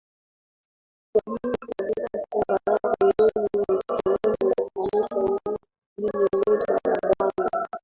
huamini kabisa kwamba wenyewe ni sehemu ya Kanisa lile moja la Bwana